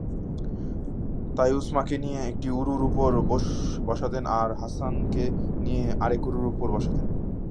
তাই উসামাকে নিয়ে এক উরুর উপর বসাতেন আর হাসানকে নিয়ে আরেক উরুর উপর বসাতেন।